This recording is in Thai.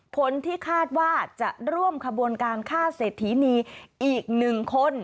ผลที่คาดว่าจะร่วมขบวนการฆ่าเศรษฐีนีอีก๑คน